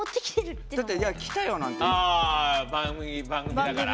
あ番組だから？